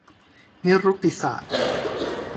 นิรุกติศาสตร์